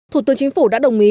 thủ tướng chính phủ đã đồng ý